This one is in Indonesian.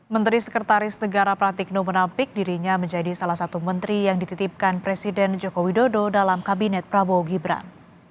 menteri sekretaris negara pratikno menampik dirinya menjadi salah satu menteri yang dititipkan presiden joko widodo dalam kabinet prabowo gibran